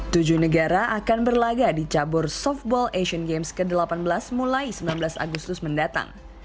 tujuh negara akan berlaga di cabur softball asian games ke delapan belas mulai sembilan belas agustus mendatang